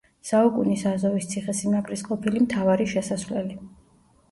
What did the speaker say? საუკუნის აზოვის ციხესიმაგრის ყოფილი მთავარი შესასვლელი.